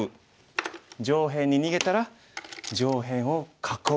上辺に逃げたら上辺を囲う。